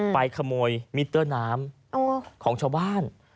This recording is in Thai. ไปขโมยมิเตอร์น้ำของชาวบ้าน